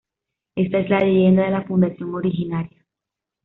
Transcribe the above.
Esa es la leyenda de la fundación originaria.